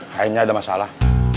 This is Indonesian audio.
kayaknya ada masalah